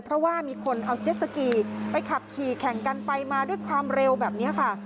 เพราะว่ามีคนเอาเจ็ดสกีไปขับขี่แข่งกันไปมาด้วยความเร็วแบบนี้ค่ะ